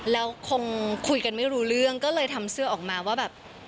แล้วคงคุยกันไม่รู้เรื่องก็เลยทำเสื้อออกมาว่าแบบ